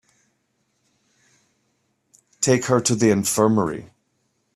Take her to the infirmary.